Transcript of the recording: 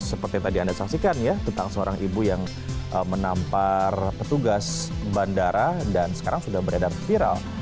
seperti tadi anda saksikan ya tentang seorang ibu yang menampar petugas bandara dan sekarang sudah beredar viral